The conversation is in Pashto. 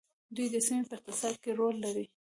دوی د سیمې په اقتصاد کې رول لري.